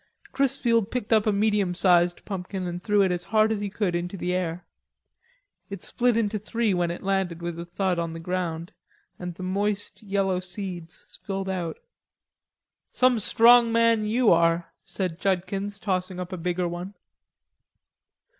Chrisfield picked up a medium sized pumpkin and threw it as hard as he could into the air. It split into three when it landed with a thud on the ground, and the moist yellow seeds spilled out. "Some strong man, you are," said Judkins, tossing up a bigger one.